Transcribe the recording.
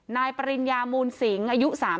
ปริญญามูลสิงอายุ๓๐